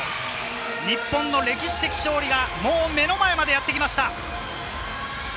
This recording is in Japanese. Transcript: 日本の歴史的勝利がもう目の前までやってきました。